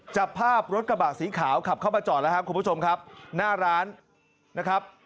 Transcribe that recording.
จับภาพรถกระบะสีขาวขับเข้ามาจอดแล้วครับคุณผู้ชมครับหน้าร้านนะครับ